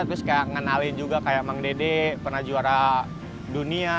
terus kayak ngenalin juga kayak bang dede pernah juara dunia